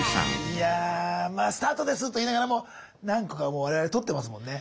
いやまあスタートですと言いながらも何個かもう我々撮ってますもんね。